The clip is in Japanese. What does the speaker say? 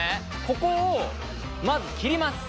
ここをまず切ります。